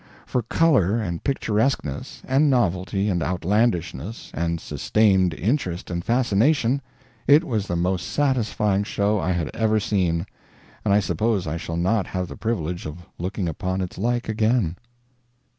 For color, and picturesqueness, and novelty, and outlandishness, and sustained interest and fascination, it was the most satisfying show I had ever seen, and I suppose I shall not have the privilege of looking upon its like again.